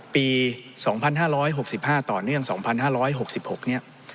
ปี๒๕๖๕ต่อเนื่อง๒๕๖๖เนี่ย